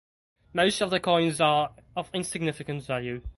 Most of the coins are of insignificant value.